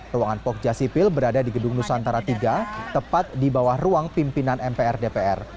ruangan pogja sipil berada di gedung nusantara tiga tepat di bawah ruang pimpinan mpr dpr